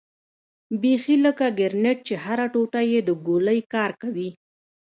بيخي لکه ګرنېټ چې هره ټوټه يې د ګولۍ کار کوي.